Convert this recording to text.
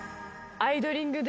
アイドリング！！！